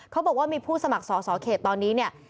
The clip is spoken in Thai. เขาบอกว่ามีผู้สมัครสอสอเขตตอนนี้เนี่ย